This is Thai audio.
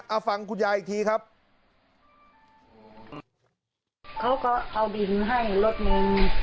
เอาฟังคุณยายอีกทีครับครับเขาก็เอาดินให้รถนึงอ๋อ